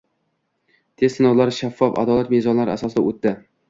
Test sinovlari shaffof, adolat mezonlari asosida o‘tdi